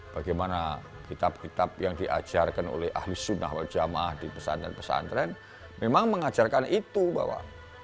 bagaimana kitab kitab yang diajarkan oleh ahli sunnah wal jamaah di pesantren pesantren memang mengajarkan itu bahwa